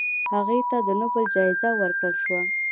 هغې ته د نوبل جایزه ورکړل شوه.